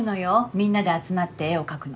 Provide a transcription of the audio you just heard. みんなで集まって絵を描くの。